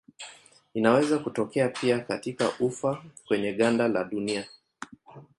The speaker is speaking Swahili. Inaweza kutoka pia katika ufa kwenye ganda la dunia.